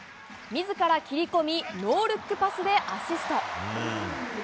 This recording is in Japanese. みずから斬り込み、ノールックパスでアシスト。